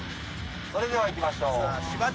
それではいきましょう。